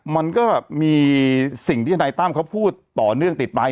มันก็มีสิ่งที่ทนายตั้มเขาพูดต่อเนื่องติดไป